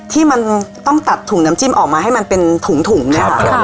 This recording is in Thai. ที่มันต้องตัดถุงน้ำจิ้มออกมาให้มันเป็นถุงเนี่ยค่ะ